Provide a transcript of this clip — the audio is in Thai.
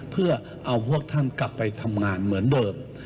เพื่อเอาพวกท่านกลับไปทำงานเหมือนเดิม